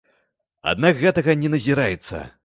Аднак гэтага не назіраецца.